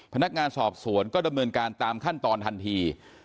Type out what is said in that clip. พนักงานสอบสวนก็ดำเนินการตามขั้นตอนทันที